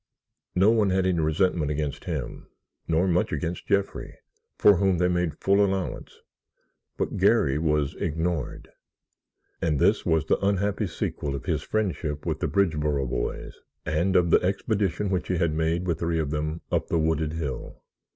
No one had any resentment against him, nor much against Jeffrey, for whom they made full allowance, but Garry was ignored, and this was the unhappy sequel of his friendship with the Bridgeboro boys and of the expedition which he had made with three of them up the wooded hill.